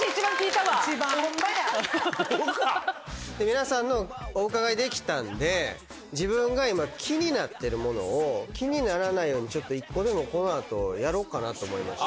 皆さんのをお伺いできたんで自分が今気になってるものを気にならないように１個でもこの後やろっかなと思いました。